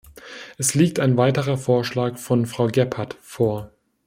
Es liegt ein weiterer Vorschlag von Frau Gebhardt vor.